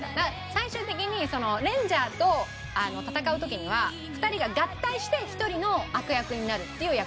最終的にレンジャーと戦う時には２人が合体して１人の悪役になるっていう役なんです。